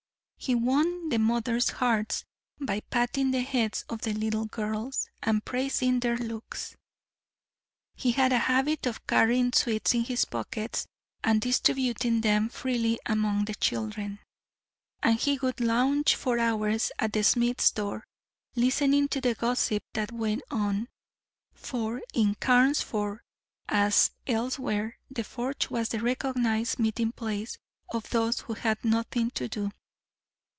He won the mothers' hearts by patting the heads of the little girls, and praising their looks. He had a habit of carrying sweets in his pockets, and distributing them freely among the children, and he would lounge for hours at the smith's door, listening to the gossip that went on, for in Carnesford, as elsewhere, the forge was the recognised meeting place of those who had nothing to do.